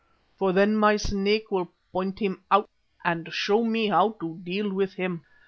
For then my Snake will point him out and show me how to deal with him."